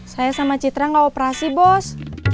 saya sama citra nggak operasi bos